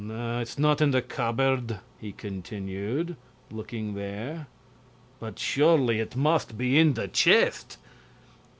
No, it's not in the cupboard," he continued, looking there; "but it surely must be in this chest."